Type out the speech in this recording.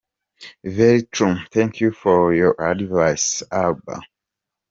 very true…thank you for your advice alba.